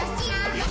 はい！